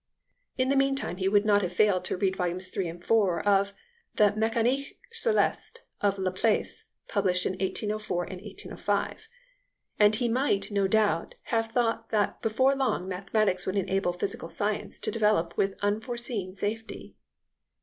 In the meantime he would not have failed to read volumes iii. and iv. of the Mecanique celeste of Laplace, published in 1804 and 1805, and he might, no doubt, have thought that before long mathematics would enable physical science to develop with unforeseen safety.